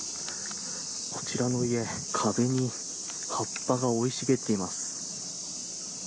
こちらの家、壁に葉っぱが生い茂っています。